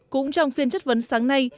cũng trong phiên chất vấn sáng nay